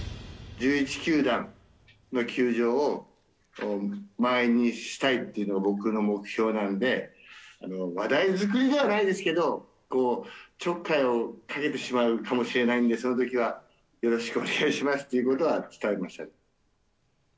１１球団の球場を、満員にしたいっていうのが僕の目標なので、話題作りじゃないですけど、ちょっかいをかけてしまうかもしれないので、そのときはよろしくお願いしますということは、伝えました。